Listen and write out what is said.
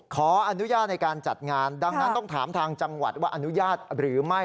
ขออนุญาตในการจัดงานดังนั้นต้องถามทางจังหวัดว่าอนุญาตหรือไม่